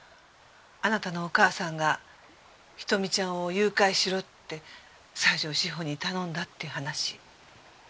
あなたのお母さんが瞳ちゃんを誘拐しろって西条史歩に頼んだっていう話。